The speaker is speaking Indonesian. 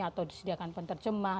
atau disediakan penterjemah